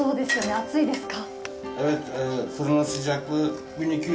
暑いですか。